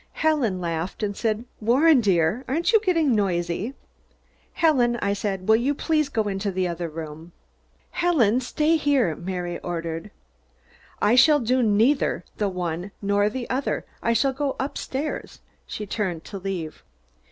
Helen laughed and said: "Warren, dear, aren't you getting noisy?" "Helen," I said, "will you please go into the other room?" "Helen, stay here!" Mary ordered. "I shall do neither the one nor the other. I shall go up stairs." She turned to leave.